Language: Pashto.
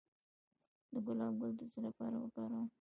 د ګلاب ګل د څه لپاره وکاروم؟